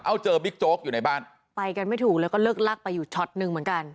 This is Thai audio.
เอาเจอบิ๊กโจ๊กอยู่ในบ้านไปกันไม่ถูกแล้วก็เลิกลักไปอยู่ช็อตหนึ่งเหมือนกัน